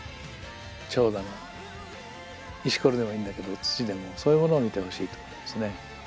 チョウだの石ころでもいいんだけど土でもそういうものを見てほしいと思いますね。